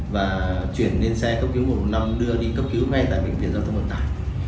và chuyển lên xe cấp cứu một trăm một mươi năm đưa đi cấp cứu ngay tại bệnh viện giao thông vận tải